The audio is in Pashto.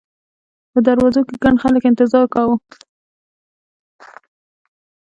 په دروازو کې ګڼ خلک انتظار کاوه.